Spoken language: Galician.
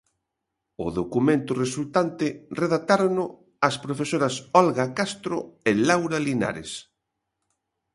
O documento resultante redactárono as profesoras Olga Castro e Laura Linares.